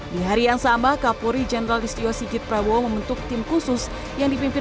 di hari yang sama kapolri jenderal istio sigit prabowo membentuk tim khusus yang dipimpin